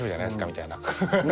みたいな。